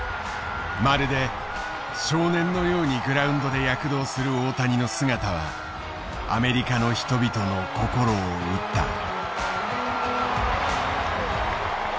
まるで少年のようにグラウンドで躍動する大谷の姿はアメリカの人々の心を打った。